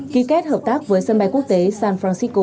ký kết hợp tác với sân bay quốc tế san francisco